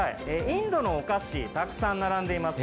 インドのお菓子たくさん並んでいます。